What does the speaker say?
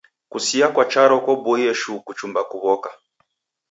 Kusia kwa charo kwaboie shuu kuchumba kuw'oka.